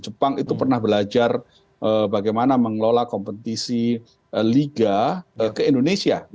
jepang itu pernah belajar bagaimana mengelola kompetisi liga ke indonesia